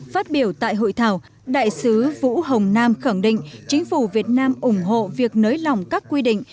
phát biểu tại hội thảo đại sứ vũ hồng nam khẳng định chính phủ việt nam ủng hộ việc nới lỏng các quy định